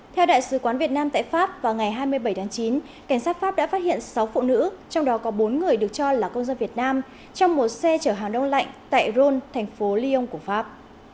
theo đại sứ quán việt nam tại pháp vào ngày hai mươi bảy tháng chín cảnh sát pháp đã phát hiện sáu phụ nữ trong đó có bốn người được cho là công dân việt nam trong một xe chở hàng đông lạnh tại rhone thành phố lyon của pháp